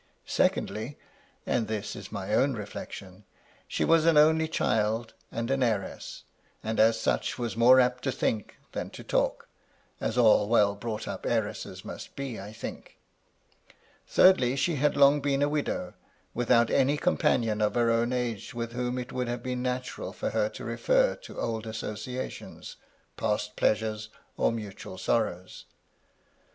Secondly, — and ^this is my own reflection, — she was an only child and an heiress ; and as such was more apt to think than to talk, as all well brought up heiresses must be, I think. Thirdly, she had long been a widow, without any companion of her own age with whom it would have been natural for her to refer to old associations, past pleasures, or mutual sorrows.